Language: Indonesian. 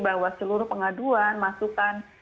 bahwa seluruh pengaduan masukan